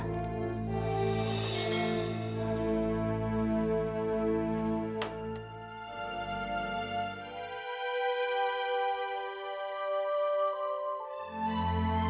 tidak akan pernah